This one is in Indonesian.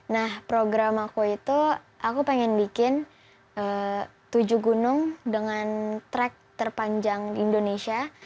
nah program aku itu aku pengen bikin tujuh gunung dengan track terpanjang di indonesia